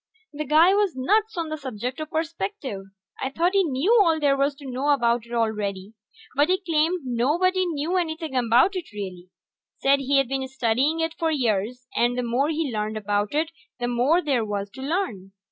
The guy was nuts on the subject of perspective. I thought he knew all there was to know about it already, but he claimed nobody knew anything about it, really. Said he'd been studying it for years, and the more he learned about it the more there was to learn.